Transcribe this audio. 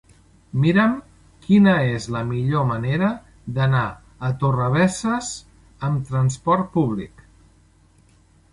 Mira'm quina és la millor manera d'anar a Torrebesses amb trasport públic.